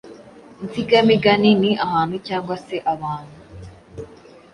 Insigamigani ni ahantu cyangwa se abantu